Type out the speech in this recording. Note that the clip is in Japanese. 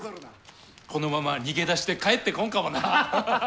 このまま逃げ出して帰ってこんかもな。